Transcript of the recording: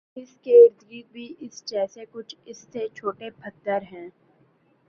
اس کے ارد گرد بھی اس جیسے کچھ اس سے چھوٹے پتھر ہیں